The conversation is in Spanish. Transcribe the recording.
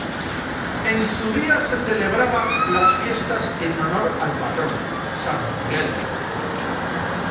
En su día se celebraban las fiestas en honor al patrón, San Miguel.